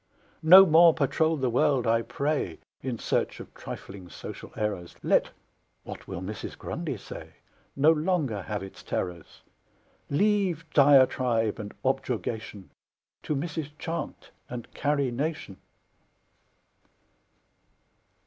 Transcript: No more patrol the world, I pray, In search of trifling social errors, Let "What will Mrs. Grundy say?" No longer have its terrors; Leave diatribe and objurgation To Mrs. Chant and Carrie Nation!